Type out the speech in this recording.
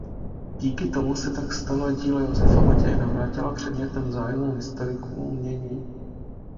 Díky tomu se tak stala díla Josefa Matěje Navrátila předmětem zájmu historiků umění.